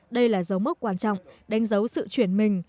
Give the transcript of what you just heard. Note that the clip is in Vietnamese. đây là dấu mốc quan trọng đánh dấu sự chuyển mình